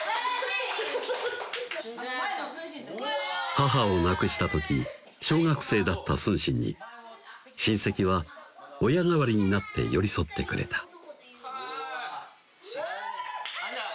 母を亡くした時小学生だった承信に親戚は親代わりになって寄り添ってくれたそうそう